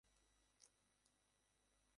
কাকে ভাড়া করছো?